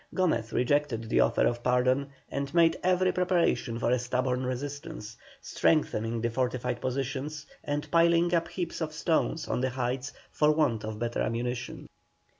Gomez rejected the offer of pardon and made every preparation for a stubborn resistance, strengthening the fortified positions, and piling up heaps of stones on the heights for want of better ammunition.